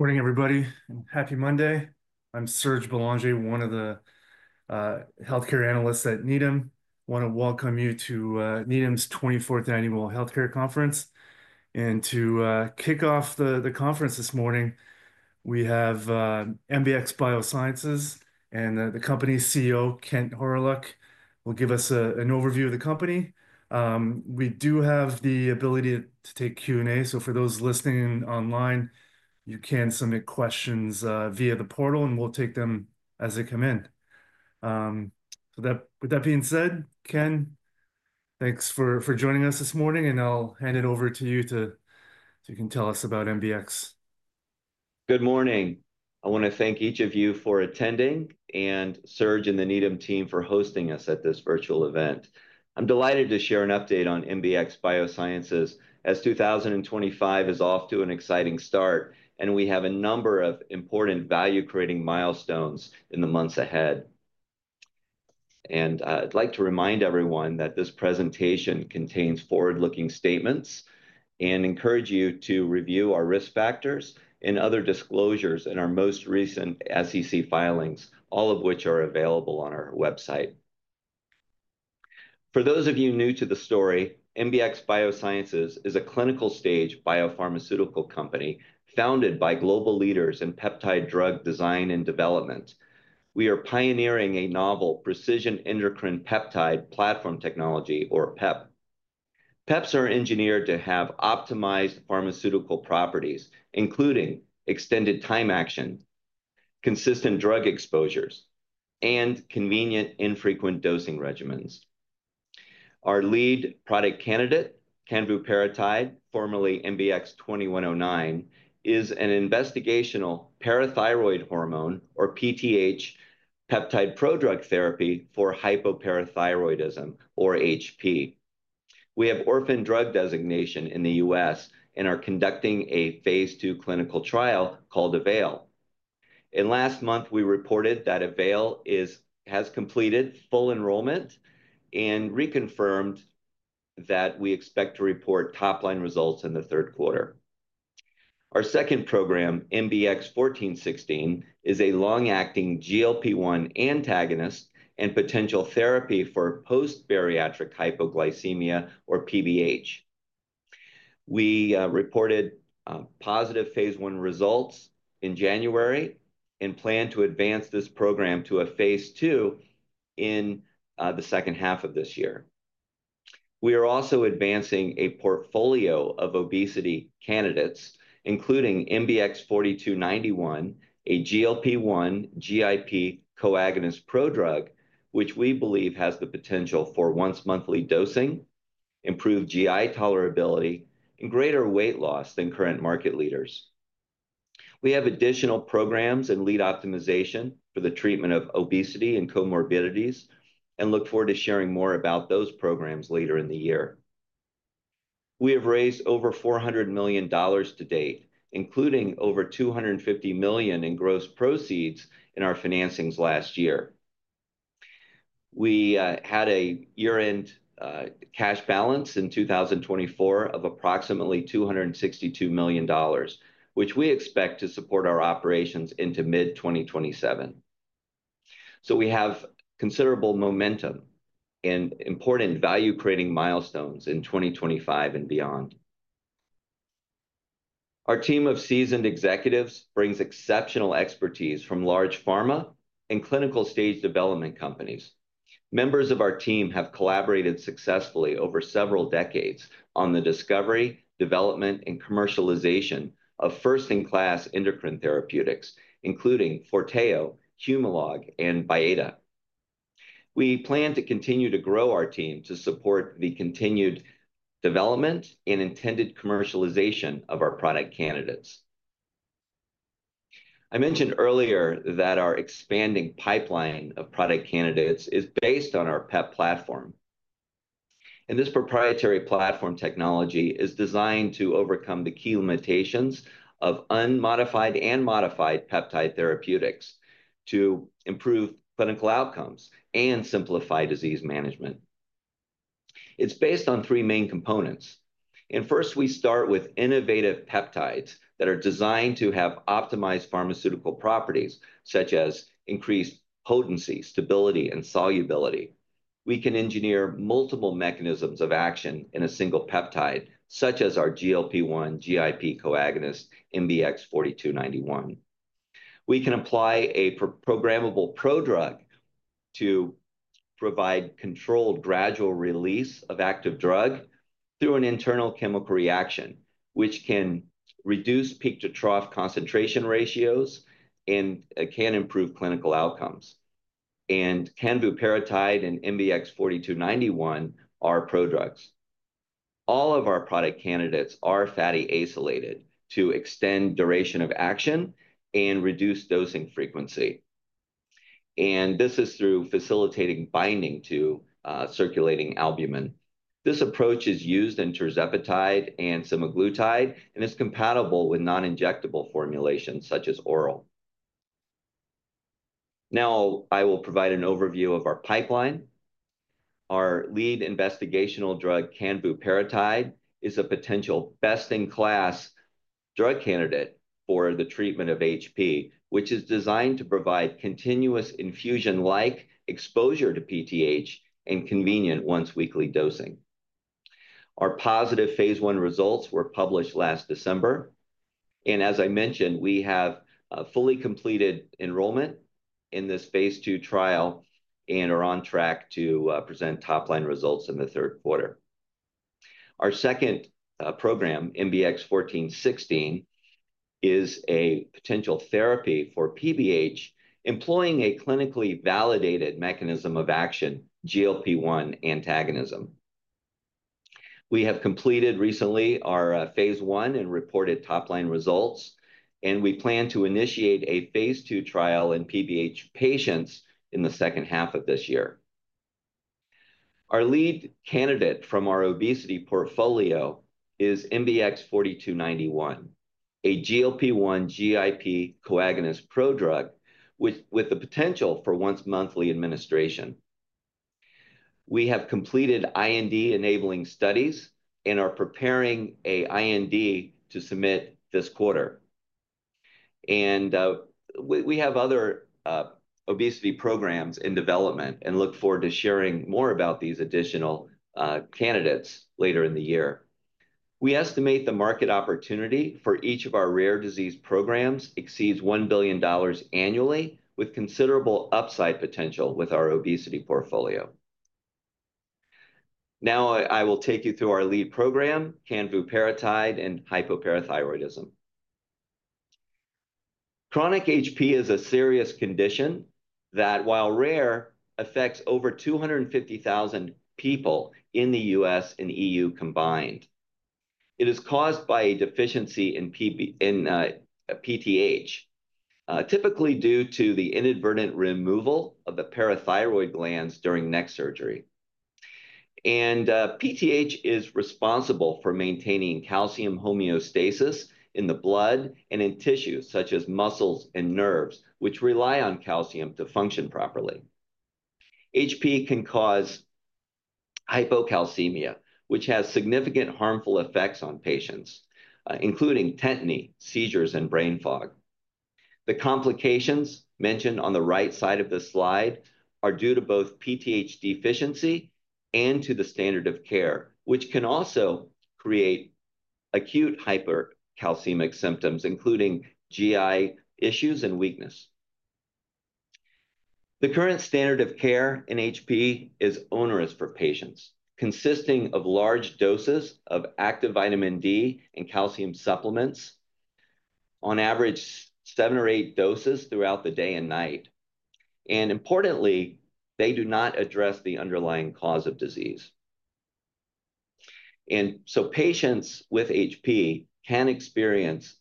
Morning, everybody, and happy Monday. I'm Serge Belanger, one of the healthcare analysts at Needham. I want to welcome you to Needham's 24th Annual Healthcare Conference. To kick off the conference this morning, we have MBX Biosciences and the company's CEO, Kent Hawryluk, who will give us an overview of the company. We do have the ability to take Q&A, so for those listening online, you can submit questions via the portal, and we'll take them as they come in. With that being said, Kent, thanks for joining us this morning, and I'll hand it over to you so you can tell us about MBX. Good morning. I want to thank each of you for attending, and Serge and the Needham team for hosting us at this virtual event. I'm delighted to share an update on MBX Biosciences as 2025 is off to an exciting start, and we have a number of important value-creating milestones in the months ahead. I would like to remind everyone that this presentation contains forward-looking statements and encourage you to review our risk factors and other disclosures in our most recent SEC filings, all of which are available on our website. For those of you new to the story, MBX Biosciences is a clinical-stage biopharmaceutical company founded by global leaders in peptide drug design and development. We are pioneering a novel precision endocrine peptide platform technology, or PEP. PEPs are engineered to have optimized pharmaceutical properties, including extended time action, consistent drug exposures, and convenient, infrequent dosing regimens. Our lead product candidate, Canvuparatide, formerly MBX 2109, is an investigational parathyroid hormone, or PTH, peptide pro-drug therapy for hypoparathyroidism, or HP. We have orphan drug designation in the U.S. and are conducting a phase II clinical trial called Avail. Last month, we reported that Avail has completed full enrollment and reconfirmed that we expect to report top-line results in the third quarter. Our second program, MBX 1416, is a long-acting GLP-1 antagonist and potential therapy for post-bariatric hypoglycemia, or PBH. We reported positive phase I results in January and plan to advance this program to a phase II in the second half of this year. We are also advancing a portfolio of obesity candidates, including MBX 4291, a GLP-1 GIP co-agonist pro-drug, which we believe has the potential for once-monthly dosing, improved GI tolerability, and greater weight loss than current market leaders. We have additional programs and lead optimization for the treatment of obesity and comorbidities and look forward to sharing more about those programs later in the year. We have raised over $400 million to date, including over $250 million in gross proceeds in our financings last year. We had a year-end cash balance in 2024 of approximately $262 million, which we expect to support our operations into mid-2027. We have considerable momentum and important value-creating milestones in 2025 and beyond. Our team of seasoned executives brings exceptional expertise from large pharma and clinical-stage development companies. Members of our team have collaborated successfully over several decades on the discovery, development, and commercialization of first-in-class endocrine therapeutics, including Forteo, Humalog, and Byetta. We plan to continue to grow our team to support the continued development and intended commercialization of our product candidates. I mentioned earlier that our expanding pipeline of product candidates is based on our PEP platform. This proprietary platform technology is designed to overcome the key limitations of unmodified and modified peptide therapeutics to improve clinical outcomes and simplify disease management. It is based on three main components. First, we start with innovative peptides that are designed to have optimized pharmaceutical properties, such as increased potency, stability, and solubility. We can engineer multiple mechanisms of action in a single peptide, such as our GLP-1 GIP co-agonist, MBX 4291. We can apply a programmable pro-drug to provide controlled gradual release of active drug through an internal chemical reaction, which can reduce peak-to-trough concentration ratios and can improve clinical outcomes. Canvuparatide and MBX 4291 are pro-drugs. All of our product candidates are fatty-acylated to extend duration of action and reduce dosing frequency. This is through facilitating binding to circulating albumin. This approach is used in tirzepatide and semaglutide and is compatible with non-injectable formulations such as oral. I will provide an overview of our pipeline. Our lead investigational drug, Canvuparatide, is a potential best-in-class drug candidate for the treatment of HP, which is designed to provide continuous infusion-like exposure to PTH and convenient once-weekly dosing. Our positive phase I results were published last December. As I mentioned, we have fully completed enrollment in this phase II trial and are on track to present top-line results in the third quarter. Our second program, MBX 1416, is a potential therapy for PBH, employing a clinically validated mechanism of action, GLP-1 antagonism. We have completed recently our phase I and reported top-line results, and we plan to initiate a phase II trial in PBH patients in the second half of this year. Our lead candidate from our obesity portfolio is MBX 4291, a GLP-1 GIP co-agonist pro-drug with the potential for once-monthly administration. We have completed IND-enabling studies and are preparing an IND to submit this quarter. We have other obesity programs in development and look forward to sharing more about these additional candidates later in the year. We estimate the market opportunity for each of our rare disease programs exceeds $1 billion annually, with considerable upside potential with our obesity portfolio. Now, I will take you through our lead program, Canvuparatide and hypoparathyroidism. Chronic HP is a serious condition that, while rare, affects over 250,000 people in the U.S. and EU combined. It is caused by a deficiency in PTH, typically due to the inadvertent removal of the parathyroid glands during neck surgery. PTH is responsible for maintaining calcium homeostasis in the blood and in tissues such as muscles and nerves, which rely on calcium to function properly. HP can cause hypocalcemia, which has significant harmful effects on patients, including tetany, seizures, and brain fog. The complications mentioned on the right side of the slide are due to both PTH deficiency and to the standard of care, which can also create acute hypercalcemic symptoms, including GI issues and weakness. The current standard of care in HP is onerous for patients, consisting of large doses of active vitamin D and calcium supplements, on average seven or eight doses throughout the day and night. Importantly, they do not address the underlying cause of disease. Patients with HP can experience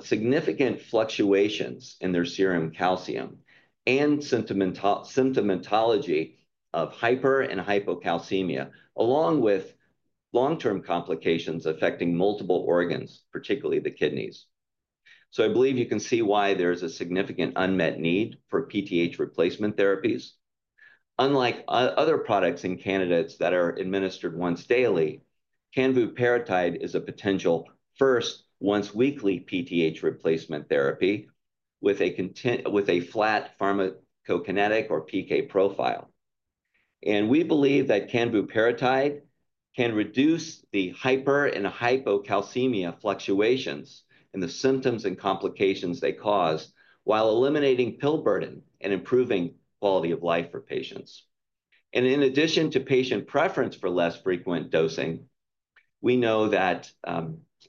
significant fluctuations in their serum calcium and symptomatology of hyper and hypocalcemia, along with long-term complications affecting multiple organs, particularly the kidneys. I believe you can see why there is a significant unmet need for PTH replacement therapies. Unlike other products and candidates that are administered once daily, Canvuparatide is a potential first once-weekly PTH replacement therapy with a flat pharmacokinetic or PK profile. We believe that Canvuparatide can reduce the hyper and hypocalcemia fluctuations in the symptoms and complications they cause while eliminating pill burden and improving quality of life for patients. In addition to patient preference for less frequent dosing, we know that,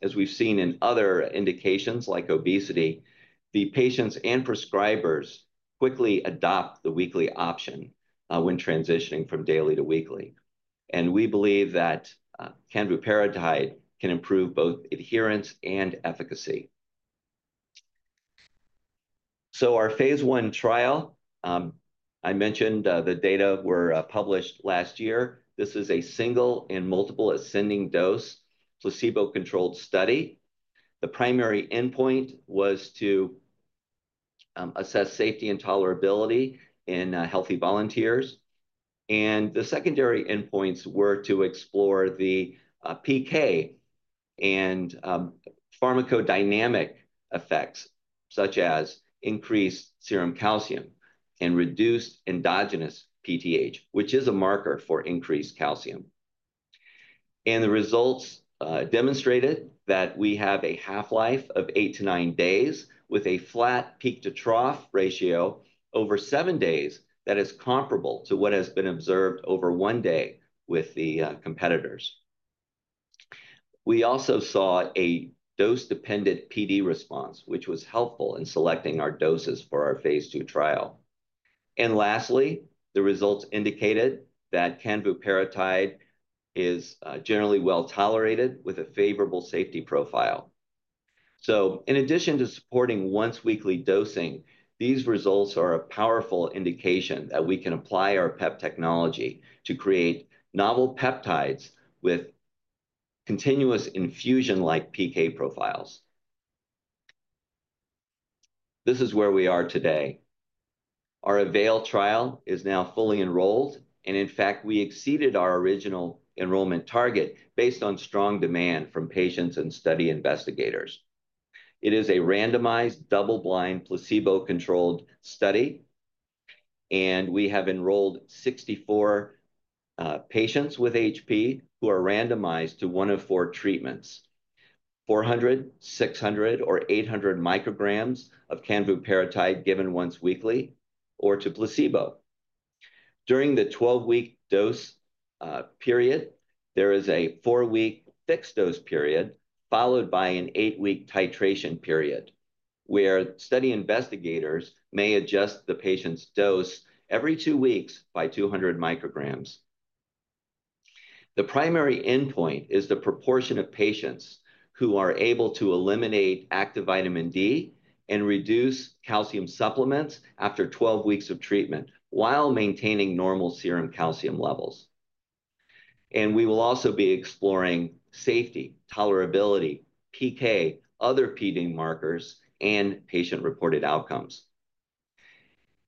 as we've seen in other indications like obesity, the patients and prescribers quickly adopt the weekly option when transitioning from daily to weekly. We believe that Canvuparatide can improve both adherence and efficacy. Our phase I trial, I mentioned the data were published last year. This is a single and multiple ascending dose placebo-controlled study. The primary endpoint was to assess safety and tolerability in healthy volunteers. The secondary endpoints were to explore the PK and pharmacodynamic effects, such as increased serum calcium and reduced endogenous PTH, which is a marker for increased calcium. The results demonstrated that we have a half-life of eight to nine days with a flat peak-to-trough ratio over seven days that is comparable to what has been observed over one day with the competitors. We also saw a dose-dependent PD response, which was helpful in selecting our doses for our phase II trial. Lastly, the results indicated that Canvuparatide is generally well tolerated with a favorable safety profile. In addition to supporting once-weekly dosing, these results are a powerful indication that we can apply our PEP technology to create novel peptides with continuous infusion-like PK profiles. This is where we are today. Our Avail trial is now fully enrolled. In fact, we exceeded our original enrollment target based on strong demand from patients and study investigators. It is a randomized double-blind placebo-controlled study. We have enrolled 64 patients with HP who are randomized to one of four treatments: 400, 600, or 800 micrograms of Canvuparatide given once weekly or to placebo. During the 12-week dose period, there is a four-week fixed dose period followed by an eight-week titration period where study investigators may adjust the patient's dose every two weeks by 200 micrograms. The primary endpoint is the proportion of patients who are able to eliminate active vitamin D and reduce calcium supplements after 12 weeks of treatment while maintaining normal serum calcium levels. We will also be exploring safety, tolerability, PK, other PD markers, and patient-reported outcomes.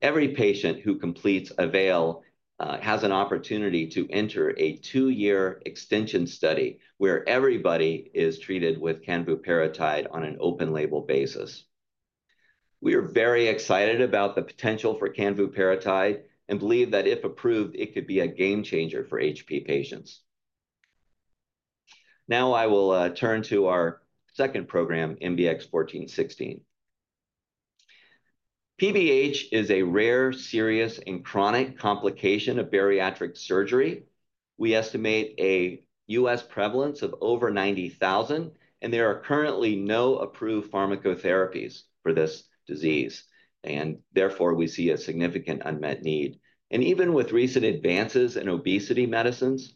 Every patient who completes Avail has an opportunity to enter a two-year extension study where everybody is treated with Canvuparatide on an open-label basis. We are very excited about the potential for Canvuparatide and believe that if approved, it could be a game changer for HP patients. Now, I will turn to our second program, MBX 1416. PBH is a rare, serious, and chronic complication of bariatric surgery. We estimate a U.S. prevalence of over 90,000, and there are currently no approved pharmacotherapies for this disease. Therefore, we see a significant unmet need. Even with recent advances in obesity medicines,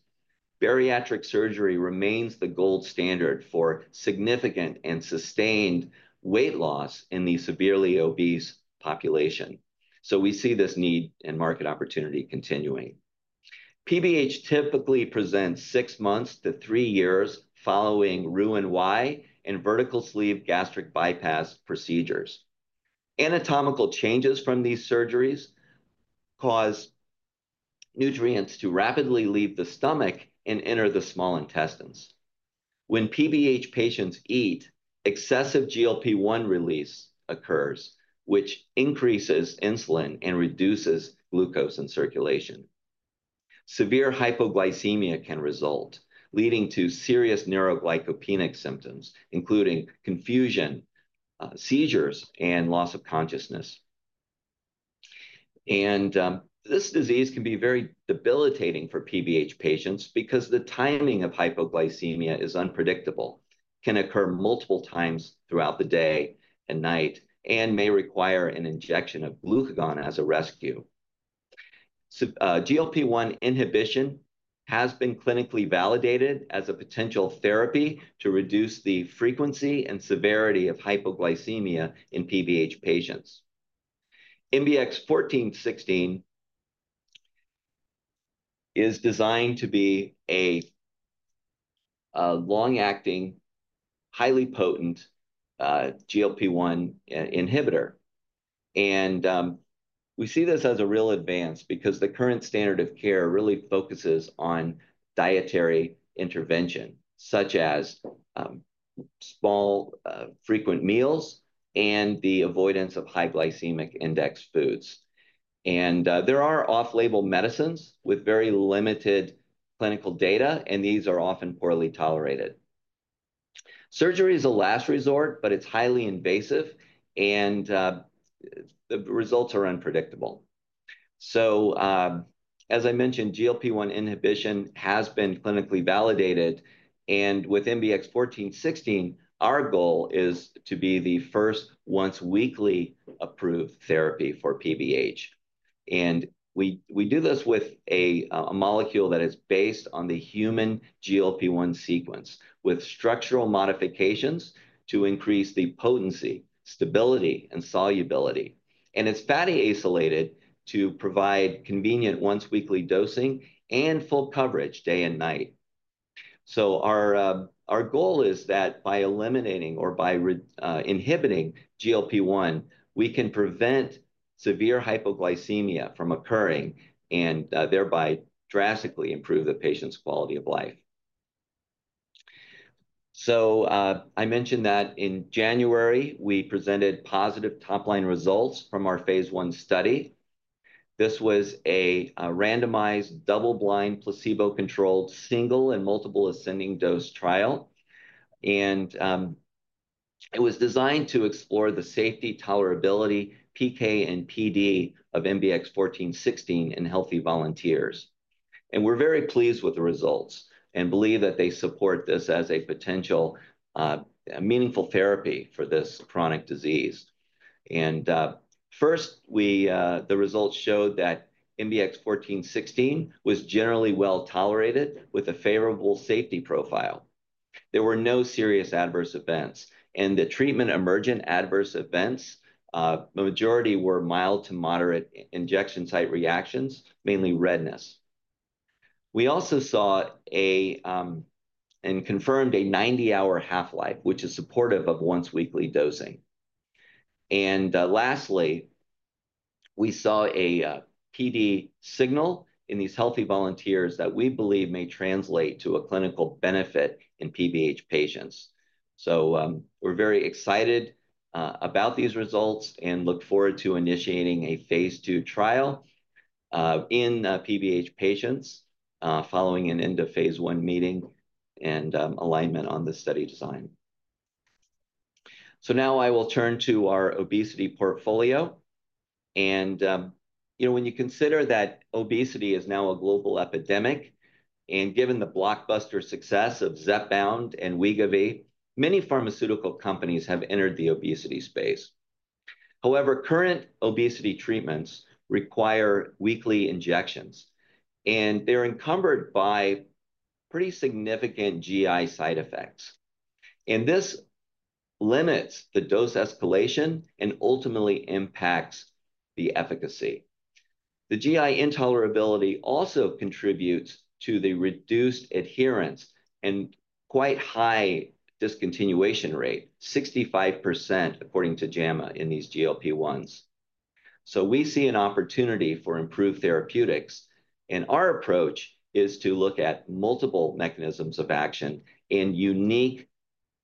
bariatric surgery remains the gold standard for significant and sustained weight loss in the severely obese population. We see this need and market opportunity continuing. PBH typically presents six months to three years following Roux-en-Y and vertical sleeve gastric bypass procedures. Anatomical changes from these surgeries cause nutrients to rapidly leave the stomach and enter the small intestines. When PBH patients eat, excessive GLP-1 release occurs, which increases insulin and reduces glucose in circulation. Severe hypoglycemia can result, leading to serious neuroglycopenic symptoms, including confusion, seizures, and loss of consciousness. This disease can be very debilitating for PBH patients because the timing of hypoglycemia is unpredictable, can occur multiple times throughout the day and night, and may require an injection of glucagon as a rescue. GLP-1 inhibition has been clinically validated as a potential therapy to reduce the frequency and severity of hypoglycemia in PBH patients. MBX 1416 is designed to be a long-acting, highly potent GLP-1 inhibitor. We see this as a real advance because the current standard of care really focuses on dietary intervention, such as small, frequent meals and the avoidance of high glycemic index foods. There are off-label medicines with very limited clinical data, and these are often poorly tolerated. Surgery is a last resort, but it's highly invasive, and the results are unpredictable. As I mentioned, GLP-1 inhibition has been clinically validated. With MBX 1416, our goal is to be the first once-weekly approved therapy for PBH. We do this with a molecule that is based on the human GLP-1 sequence, with structural modifications to increase the potency, stability, and solubility. It is fatty-acylated to provide convenient once-weekly dosing and full coverage day and night. Our goal is that by eliminating or by inhibiting GLP-1, we can prevent severe hypoglycemia from occurring and thereby drastically improve the patient's quality of life. I mentioned that in January, we presented positive top-line results from our phase I study. This was a randomized double-blind placebo-controlled single and multiple ascending dose trial. It was designed to explore the safety, tolerability, PK, and PD of MBX 1416 in healthy volunteers. We're very pleased with the results and believe that they support this as a potential meaningful therapy for this chronic disease. First, the results showed that MBX 1416 was generally well tolerated with a favorable safety profile. There were no serious adverse events. The treatment emergent adverse events, the majority were mild to moderate injection site reactions, mainly redness. We also saw and confirmed a 90-hour half-life, which is supportive of once-weekly dosing. Lastly, we saw a PD signal in these healthy volunteers that we believe may translate to a clinical benefit in PBH patients. We are very excited about these results and look forward to initiating a phase II trial in PBH patients following an end of phase I meeting and alignment on the study design. Now I will turn to our obesity portfolio. When you consider that obesity is now a global epidemic, and given the blockbuster success of Zepbound and Wegovy, many pharmaceutical companies have entered the obesity space. However, current obesity treatments require weekly injections, and they are encumbered by pretty significant GI side effects. This limits the dose escalation and ultimately impacts the efficacy. The GI intolerability also contributes to the reduced adherence and quite high discontinuation rate, 65%, according to JAMA in these GLP-1s. We see an opportunity for improved therapeutics. Our approach is to look at multiple mechanisms of action and unique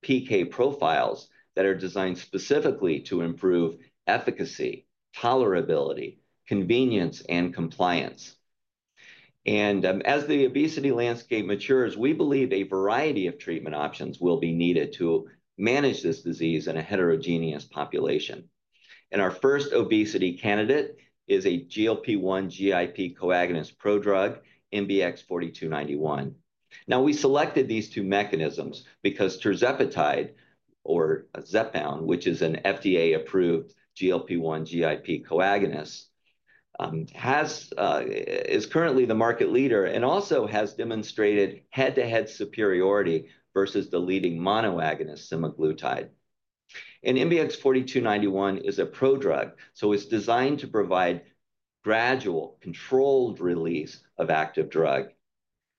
PK profiles that are designed specifically to improve efficacy, tolerability, convenience, and compliance. As the obesity landscape matures, we believe a variety of treatment options will be needed to manage this disease in a heterogeneous population. Our first obesity candidate is a GLP-1 GIP co-agonist pro-drug, MBX 4291. We selected these two mechanisms because tirzepatide or Zepbound, which is an FDA-approved GLP-1 GIP co-agonist, is currently the market leader and also has demonstrated head-to-head superiority versus the leading mono-agonist, semaglutide. MBX 4291 is a pro-drug, so it is designed to provide gradual controlled release of active drug.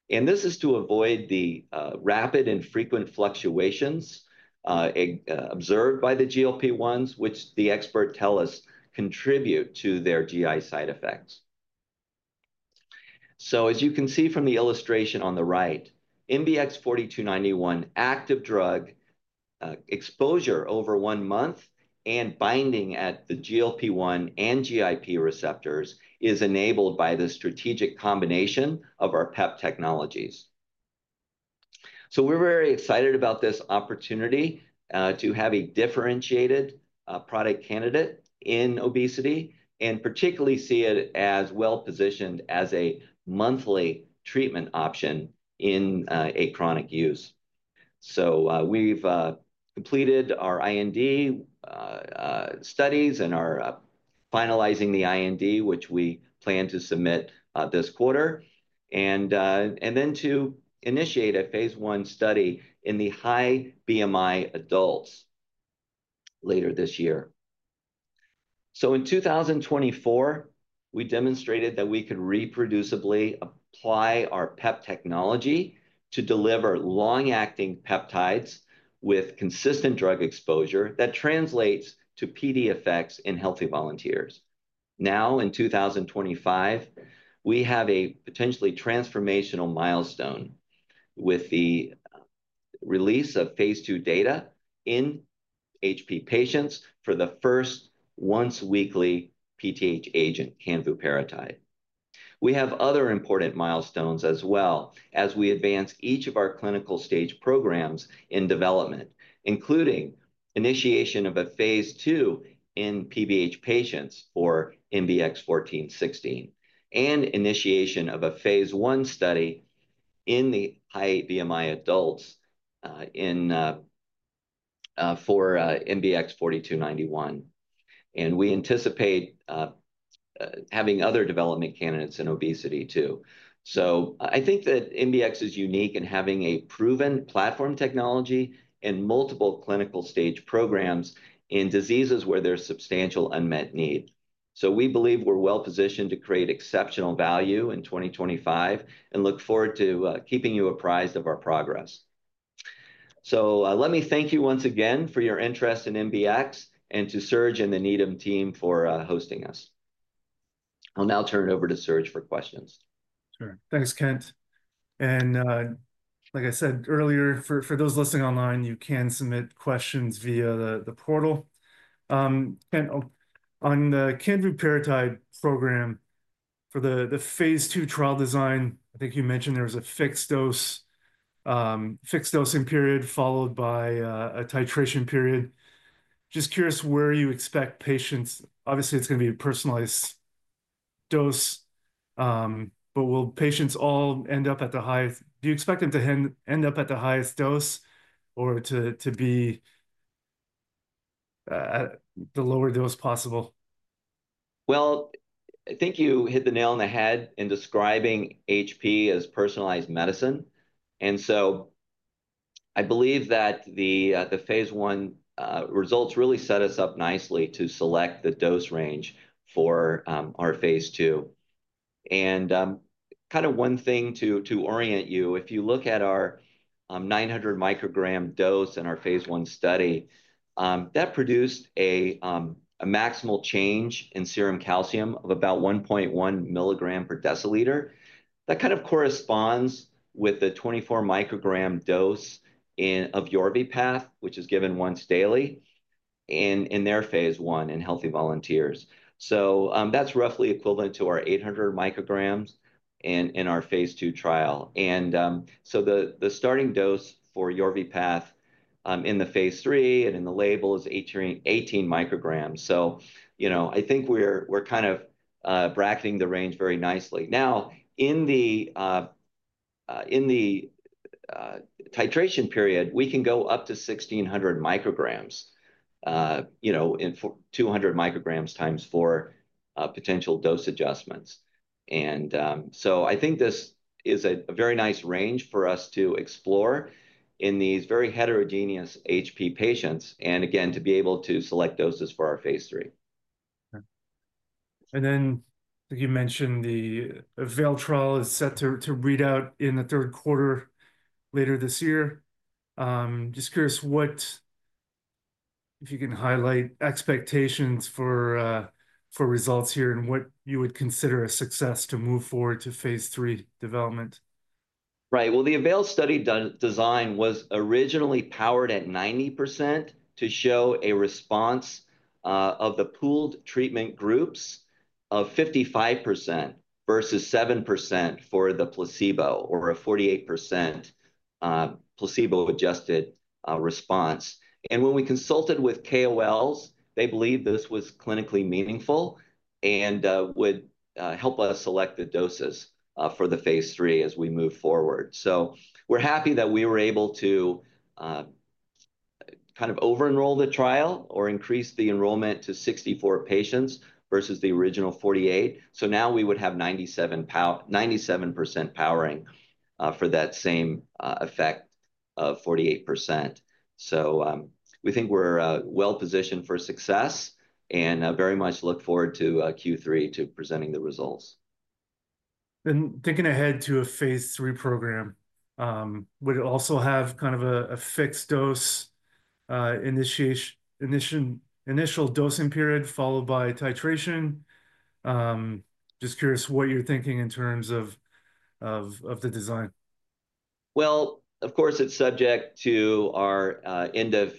This is to avoid the rapid and frequent fluctuations observed by the GLP-1s, which the experts tell us contribute to their GI side effects. As you can see from the illustration on the right, MBX 4291 active drug exposure over one month and binding at the GLP-1 and GIP receptors is enabled by the strategic combination of our PEP technologies. We are very excited about this opportunity to have a differentiated product candidate in obesity and particularly see it as well positioned as a monthly treatment option in a chronic use. We have completed our IND studies and are finalizing the IND, which we plan to submit this quarter, and then to initiate a phase I study in the high BMI adults later this year. In 2024, we demonstrated that we could reproducibly apply our PEP technology to deliver long-acting peptides with consistent drug exposure that translates to PD effects in healthy volunteers. Now, in 2025, we have a potentially transformational milestone with the release of phase II data in HP patients for the first once-weekly PTH agent, Canvuparatide. We have other important milestones as well as we advance each of our clinical stage programs in development, including initiation of a phase II in PBH patients for MBX 1416 and initiation of a phase I study in the high BMI adults for MBX 4291. We anticipate having other development candidates in obesity too. I think that MBX is unique in having a proven platform technology and multiple clinical stage programs in diseases where there's substantial unmet need. We believe we're well positioned to create exceptional value in 2025 and look forward to keeping you apprised of our progress. Let me thank you once again for your interest in MBX and to Serge and the Needham team for hosting us. I'll now turn it over to Serge for questions. Sure. Thanks, Kent. Like I said earlier, for those listening online, you can submit questions via the portal. Kent, on the Canvuparatide program, for the phase II trial design, I think you mentioned there was a fixed dose period followed by a titration period. Just curious where you expect patients—obviously, it's going to be a personalized dose—but will patients all end up at the highest? Do you expect them to end up at the highest dose or to be the lower dose possible? I think you hit the nail on the head in describing HP as personalized medicine. I believe that the phase I results really set us up nicely to select the dose range for our phase II. One thing to orient you, if you look at our 900 microgram dose in our phase I study, that produced a maximal change in serum calcium of about 1.1 milligram per deciliter. That kind of corresponds with the 24 microgram dose of Yorvipath, which is given once daily in their phase I in healthy volunteers. That is roughly equivalent to our 800 micrograms in our phase II trial. The starting dose for Yorvipath in the phase III and in the label is 18 micrograms. I think we are kind of bracketing the range very nicely. Now, in the titration period, we can go up to 1,600 micrograms in 200 micrograms times four potential dose adjustments. I think this is a very nice range for us to explore in these very heterogeneous HP patients, and again, to be able to select doses for our phase III. You mentioned the Avail trial is set to read out in the third quarter later this year. Just curious if you can highlight expectations for results here and what you would consider a success to move forward to phase III development. Right. The Avail study design was originally powered at 90% to show a response of the pooled treatment groups of 55% versus 7% for the placebo or a 48% placebo-adjusted response. When we consulted with KOLs, they believed this was clinically meaningful and would help us select the doses for the phase III as we move forward. We are happy that we were able to kind of over-enroll the trial or increase the enrollment to 64 patients versus the original 48. Now we would have 97% powering for that same effect of 48%. We think we are well positioned for success and very much look forward to Q3 to presenting the results. Taking ahead to a phase III program, would it also have kind of a fixed dose initial dosing period followed by titration? Just curious what you're thinking in terms of the design. Of course, it's subject to our end of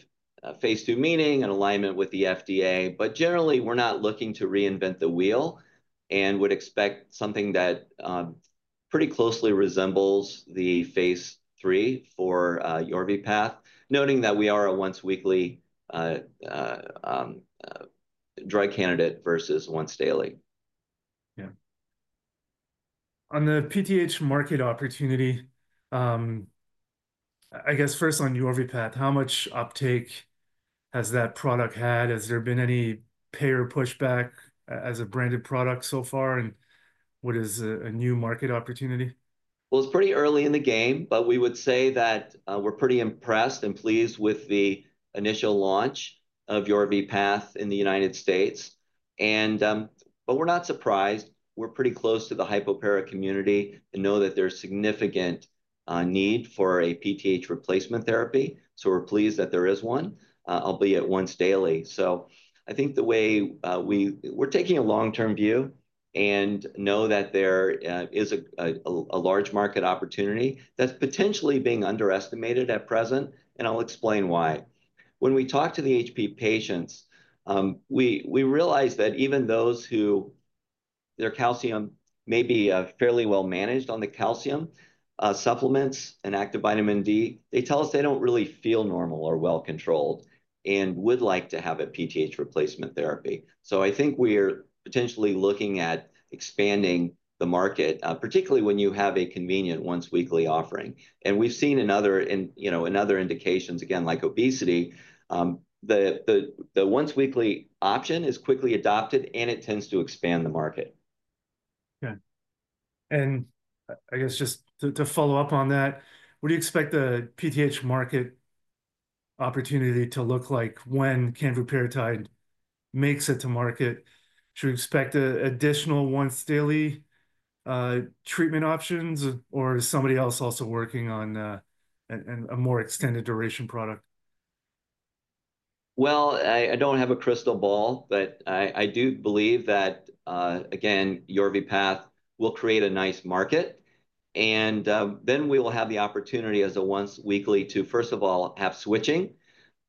phase II meeting and alignment with the FDA. Generally, we're not looking to reinvent the wheel and would expect something that pretty closely resembles the phase III for Yorvipath, noting that we are a once-weekly drug candidate versus once daily. Yeah. On the PTH market opportunity, I guess first on Yorvipath, how much uptake has that product had? Has there been any payer pushback as a branded product so far? What is a new market opportunity? It's pretty early in the game, but we would say that we're pretty impressed and pleased with the initial launch of Yorvipath in the United States. We're not surprised. We're pretty close to the hypopara community and know that there's significant need for a PTH replacement therapy. We're pleased that there is one, albeit once daily. I think the way we're taking a long-term view and know that there is a large market opportunity that's potentially being underestimated at present. I'll explain why. When we talk to the HP patients, we realize that even those whose calcium may be fairly well managed on the calcium supplements and active vitamin D, they tell us they don't really feel normal or well controlled and would like to have a PTH replacement therapy. I think we're potentially looking at expanding the market, particularly when you have a convenient once-weekly offering. We've seen in other indications, again, like obesity, the once-weekly option is quickly adopted, and it tends to expand the market. Okay. I guess just to follow up on that, what do you expect the PTH market opportunity to look like when Canvuparatide makes it to market? Should we expect additional once-daily treatment options, or is somebody else also working on a more extended duration product? I don't have a crystal ball, but I do believe that, again, Yorvipath will create a nice market. We will have the opportunity as a once-weekly to, first of all, have switching.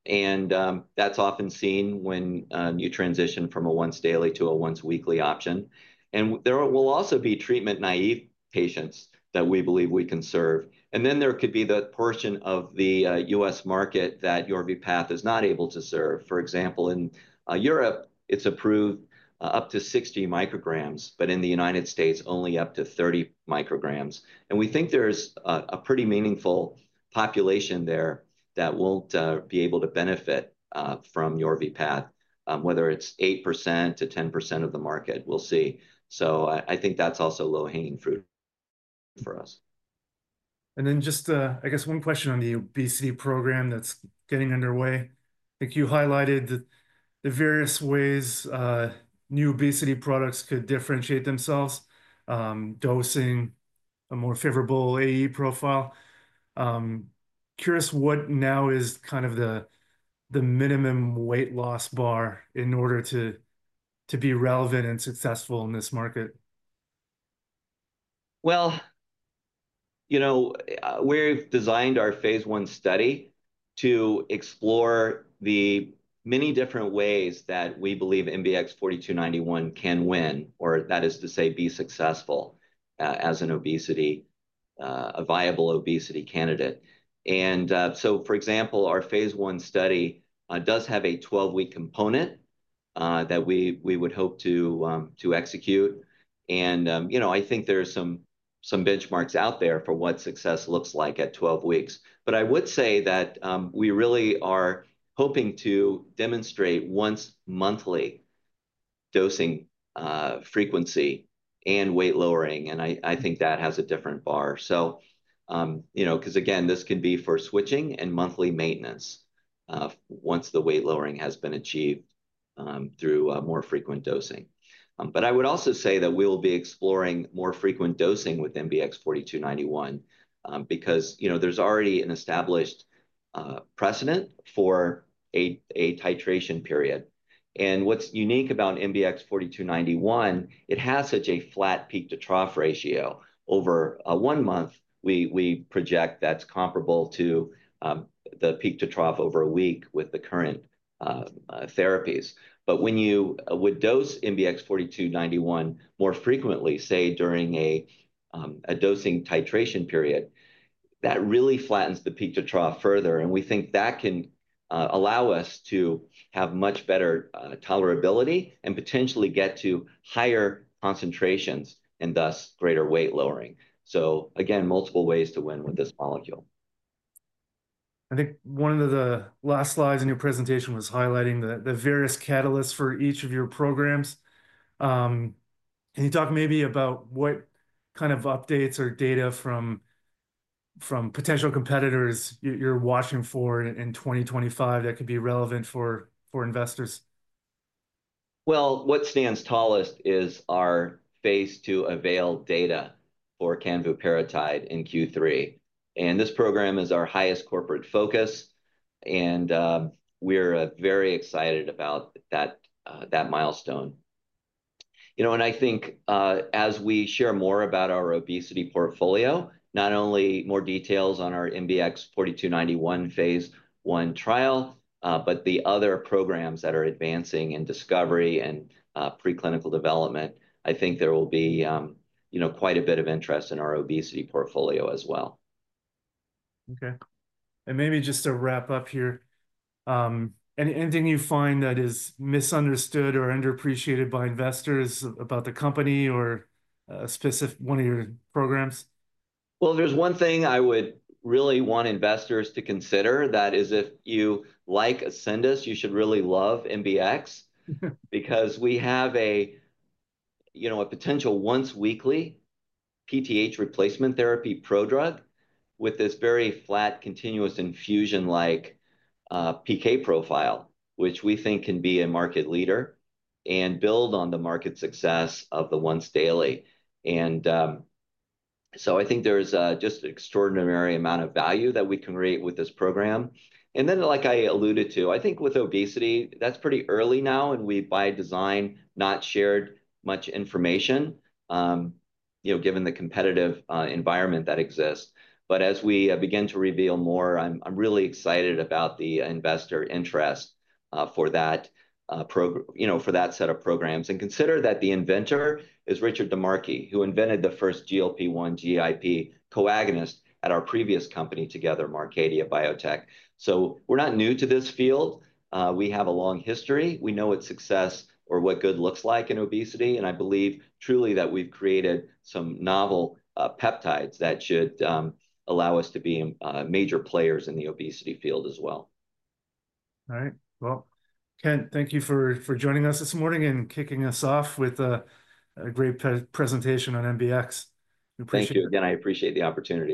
That's often seen when you transition from a once-daily to a once-weekly option. There will also be treatment-naive patients that we believe we can serve. There could be the portion of the U.S. market that Yorvipath is not able to serve. For example, in Europe, it's approved up to 60 micrograms, but in the United States, only up to 30 micrograms. We think there's a pretty meaningful population there that won't be able to benefit from Yorvipath, whether it's 8%-10% of the market. We'll see. I think that's also low-hanging fruit for us. I guess, one question on the obesity program that's getting underway. I think you highlighted the various ways new obesity products could differentiate themselves, dosing, a more favorable AE profile. Curious what now is kind of the minimum weight loss bar in order to be relevant and successful in this market. We have designed our phase I study to explore the many different ways that we believe MBX 4291 can win, or that is to say, be successful as a viable obesity candidate. For example, our phase I study does have a 12-week component that we would hope to execute. I think there are some benchmarks out there for what success looks like at 12 weeks. I would say that we really are hoping to demonstrate once-monthly dosing frequency and weight lowering. I think that has a different bar. This can be for switching and monthly maintenance once the weight lowering has been achieved through more frequent dosing. I would also say that we will be exploring more frequent dosing with MBX 4291 because there is already an established precedent for a titration period. What's unique about MBX 4291, it has such a flat peak-to-trough ratio over one month. We project that's comparable to the peak-to-trough over a week with the current therapies. When you would dose MBX 4291 more frequently, say, during a dosing titration period, that really flattens the peak-to-trough further. We think that can allow us to have much better tolerability and potentially get to higher concentrations and thus greater weight lowering. Again, multiple ways to win with this molecule. I think one of the last slides in your presentation was highlighting the various catalysts for each of your programs. Can you talk maybe about what kind of updates or data from potential competitors you're watching for in 2025 that could be relevant for investors? What stands tallest is our phase II Avail data for Canvuparatide in Q3. This program is our highest corporate focus. We're very excited about that milestone. I think as we share more about our obesity portfolio, not only more details on our MBX 4291 phase I trial, but the other programs that are advancing in discovery and preclinical development, I think there will be quite a bit of interest in our obesity portfolio as well. Okay. Maybe just to wrap up here, anything you find that is misunderstood or underappreciated by investors about the company or one of your programs? There is one thing I would really want investors to consider that is if you like Ascendis, you should really love MBX because we have a potential once-weekly PTH replacement therapy pro-drug with this very flat continuous infusion-like PK profile, which we think can be a market leader and build on the market success of the once daily. I think there is just an extraordinary amount of value that we can create with this program. Like I alluded to, I think with obesity, that is pretty early now, and we by design have not shared much information given the competitive environment that exists. As we begin to reveal more, I am really excited about the investor interest for that set of programs. Consider that the inventor is Richard DiMarchi, who invented the first GLP-1 GIP co-agonist at our previous company together, Marcadia Biotech. We are not new to this field. We have a long history. We know what success or what good looks like in obesity. I believe truly that we have created some novel peptides that should allow us to be major players in the obesity field as well. All right. Kent, thank you for joining us this morning and kicking us off with a great presentation on MBX. Thank you again. I appreciate the opportunity.